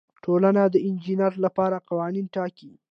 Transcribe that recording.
ټولنه د انجینر لپاره قوانین ټاکي.